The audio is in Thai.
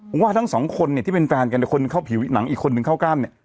ผมว่าทั้ง๒คนที่เป็นแฟนกัน๑คนเข้าผิวหนัง๑คนก็เข้ากล้าม